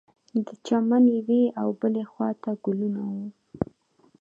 د چمن یوې او بلې خوا ته ګلونه وه.